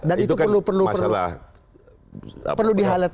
dan itu perlu dihalet